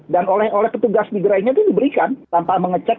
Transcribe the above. dan oleh petugas di gerainya itu diberikan tanpa mengecek